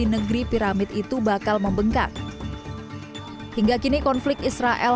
dikhawatirkan jumlah pengungsi di negeri piramid itu bakal membengkak hingga kini konflik israel